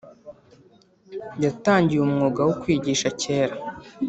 yatangiye umwuga wo kwigisha kera